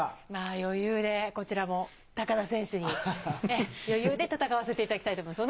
余裕でこちらも高田選手に、余裕で戦わせていただきたいと思います。